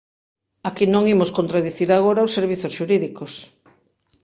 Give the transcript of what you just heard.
Aquí non imos contradicir agora os servizos xurídicos.